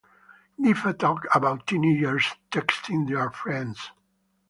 Give a talk about teenagers texting their friends.